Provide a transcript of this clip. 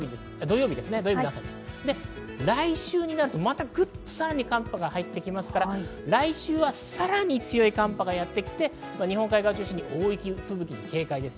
来週になると、またグッとさらに寒波が入ってきますから、さらに強い寒波がやってきて日本海側を中心に大雪、吹雪に警戒です。